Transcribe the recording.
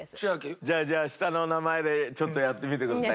じゃあじゃあ下の名前でちょっとやってみてくださいよ。